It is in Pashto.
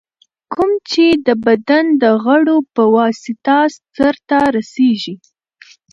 کوم چي د بدن د غړو په واسطه سرته رسېږي.